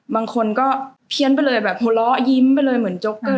บางคนก็เพี้ยนไปเลยแบบหัวเราะยิ้มไปเลยเหมือนโจ๊กเกอร์